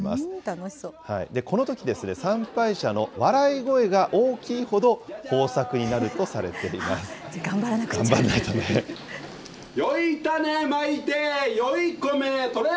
このとき、参拝者の笑い声が大きいほど豊作になるとされていじゃあ頑張らなくちゃ。